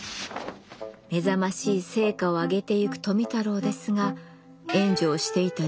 目覚ましい成果を上げてゆく富太郎ですが援助をしていた実家は倒産。